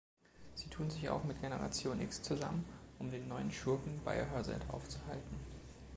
Sie tun sich auch mit Generation X zusammen, um den neuen Schurken Biohazard aufzuhalten.